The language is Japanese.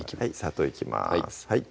砂糖いきます